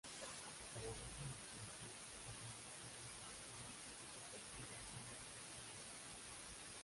Trabajó como policía, aunque más tarde se graduó y hasta obtuvo un máster universitario.